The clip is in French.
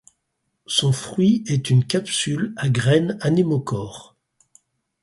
Son fruit est une capsule à graines anémochores.